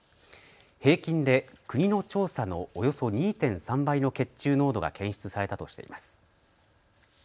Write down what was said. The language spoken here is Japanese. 平均で国の調査のおよそ２．３倍の血中濃度が検出されたとしています。